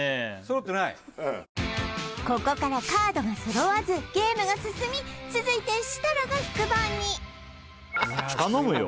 うんここからカードが揃わずゲームが進み続いて設楽が引く番に頼むよ